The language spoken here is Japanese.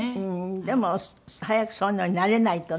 でも早くそういうのに慣れないとね。